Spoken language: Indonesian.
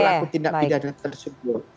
berlaku tindak pidana tersebut